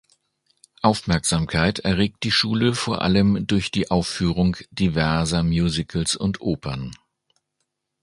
Aufmerksamkeit erregt die Schule vor allem durch die Aufführung diverser Musicals und Opern.